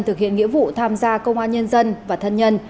thực hiện nghĩa vụ tham gia công an nhân dân và thân nhân